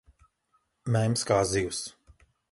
Mēms kā zivs.